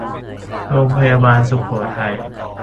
โรงพยาบาลสุโขทัย